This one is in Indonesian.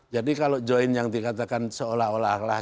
jadi kalau join yang dikatakan seolah olahlah